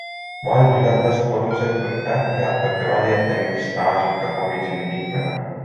Vald üllatas koduse tunde, eakate valijate ning staažika komisjoniliikmega.